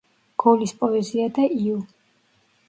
გოლის პოეზია და იუ.